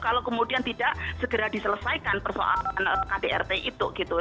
kalau kemudian tidak segera diselesaikan persoalan kdrt itu gitu